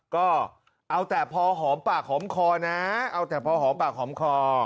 ก็เอาแต่พอหอมปากหอมคอนะเอาแต่พอหอมปากหอมคอ